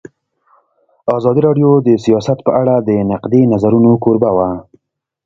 ازادي راډیو د سیاست په اړه د نقدي نظرونو کوربه وه.